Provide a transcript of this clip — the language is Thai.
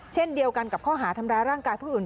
เช่นเดียวกันกับข้อหาทำร้ายร่างกายผู้อื่น